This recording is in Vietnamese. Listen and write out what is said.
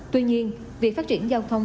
tuy nhiên việc phát triển giao thông